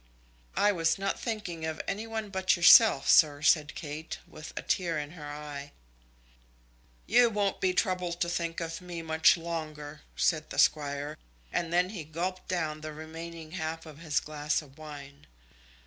"I was not thinking of any one but yourself, sir," said Kate, with a tear in her eye. "You won't be troubled to think of me much longer," said the Squire; and then he gulped down the remaining half of his glass of wine.